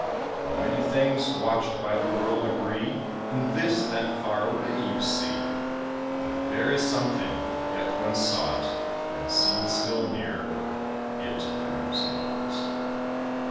How many things watched by the world agree In this that far away you see That there is something, yet when sought, And seen still nearer, it proves nought.